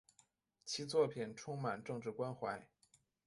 其作品充满政治关怀。